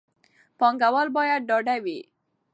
پانګوال باید ډاډه وي.